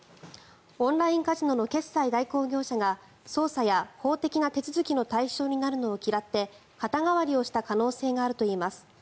オンラインカジノの決済代行業者が捜査や法的な手続きの対象になるのを嫌って肩代わりをした可能性があるといいます。